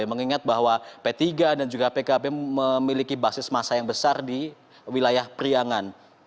mengingat bahwa p tiga dan juga pkb memiliki basis masa yang besar di wilayah priangan